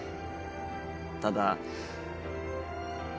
ただ。